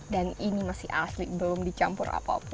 dan ini masih asli belum dicampur apa pun